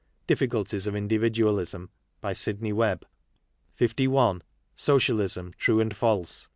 Difficulties ol Individual'pm. By Sidnev Webb. 31. Socialism: True and False.